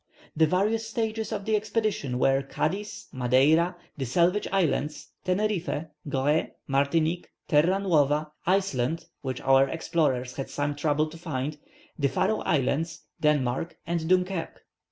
The various stages of the expedition were Cadiz, Madeira, the Salvage Islands, Teneriffe, Goree, Martinique, Terra Nuova, Iceland which our explorers had some trouble to find the Faroe Islands, Denmark and Dunkerque.